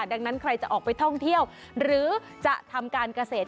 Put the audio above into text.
ดังนั้นใครจะออกไปท่องเที่ยวหรือจะทำการเกษตร